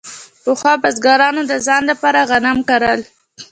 پخوا بزګرانو د ځان لپاره غنم کرل.